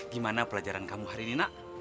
gimana pelajaran kamu hari ini nak